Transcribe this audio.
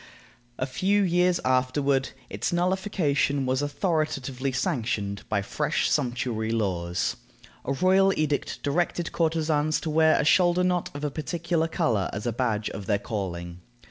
A few years afterward, its nullification was authoritatively sanctioned by fresh sumptuary laws. A royal edict directed courtesans to wear a shoulder knot of a particular color as a badge of their calling.